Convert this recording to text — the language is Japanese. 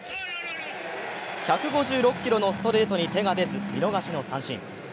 １５６キロのストレートに手が出ず見逃しの三振。